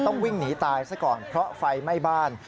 ต้องวิ่งหนีตายซะก่อนเพราะไฟไหม้บ้าน